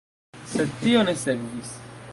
Sed tio ne sekvis.